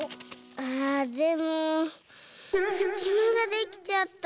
あでもすきまができちゃった。